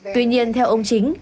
tuy nhiên theo ông chính